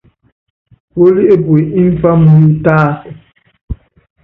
Puólí epue ḿfá muyu tásɛ.